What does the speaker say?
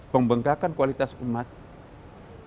pembengkakan kualitas umat ini dengan keadilan umat ini